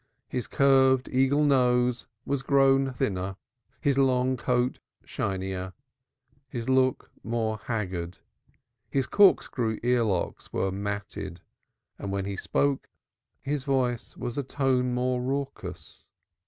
His curved eagle nose was grown thinner, his long coat shinier, his look more haggard, his corkscrew earlocks were more matted, and when he spoke his voice was a tone more raucous.